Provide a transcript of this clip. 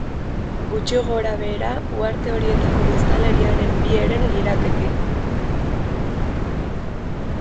Gutxi gorabehera uharte horietako biztanleriaren bi heren lirateke.